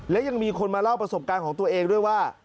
และยังมีคนมาเล่าประสบการณ์ของตัวเองด้วยว่า